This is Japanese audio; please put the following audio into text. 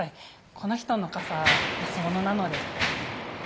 この人の傘安物なので！